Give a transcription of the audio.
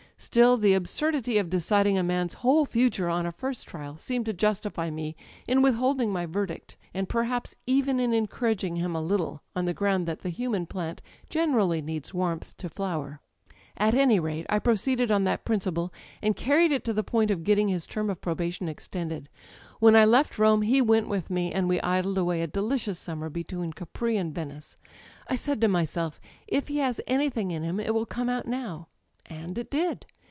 Still, the absurdity of deciding a man's whole future on a first trial seemed to justify me in withholding my verdict, and perhaps even in encouraging him a little, on the ground that the human plant generally needs warmth to flower. ''At any rate, I proceeded on that principle, and carried it to the point of getting his term of probation extended. When I left Rome he went with me, and we idled away a delicipus summer between Capri and Venice. I said to myself: 'If he has anything in him, it will come out now, and it did.